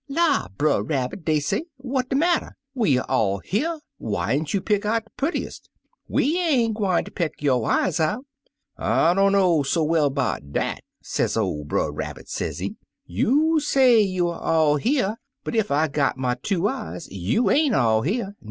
" 'La, Brer Rabbit!' dey say, 'what de matter? We er all here; whyn't you pick out de purtiest? We ain't gwine ter peck yo' eyes out.' 'I dunno so well 'bout dat,' sez ol' Brer Rabbit, sezee. 'You say you er all here, but ef I got my two eyes you ain't all here.